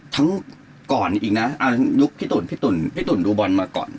ทั้งก่อนอีกนะยุคพี่ตุ๋นพี่ตุ๋นดูบอลมาก่อน